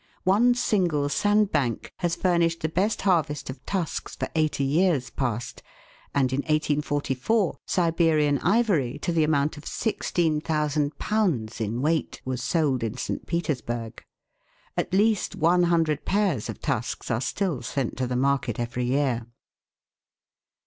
One single sandbank has furnished the best harvest of tusks for eighty years past, and, in 1844, Siberian ivory, to the amount of 16,000 Ibs., was sold in St. Petersburg. At least one hundred pairs of tusks are still sent to the market every year.